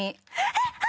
えっ？